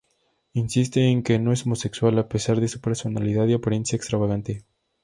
Insiste en que no es homosexual a pesar de su personalidad y apariencia extravagante.